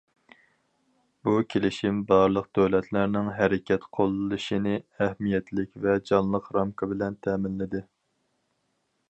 بۇ« كېلىشىم» بارلىق دۆلەتلەرنىڭ ھەرىكەت قوللىشىنى ئەھمىيەتلىك ۋە جانلىق رامكا بىلەن تەمىنلىدى.